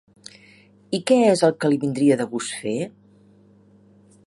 I què és el que li vindria de gust fer?